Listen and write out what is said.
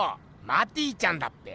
マティちゃんだっぺ！